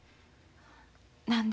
何で？